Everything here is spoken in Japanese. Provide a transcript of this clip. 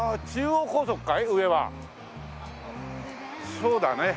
そうだね。